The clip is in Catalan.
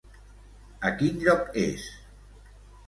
A quin lloc és?